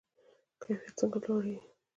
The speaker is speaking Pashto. کیفیت څنګه لوړیږي؟